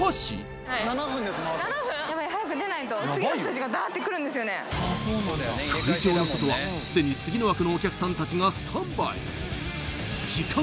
やばい早く出ないと会場の外はすでに次の枠のお客さんたちがスタンバイ時間